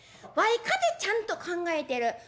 わいかてちゃんと考えてる。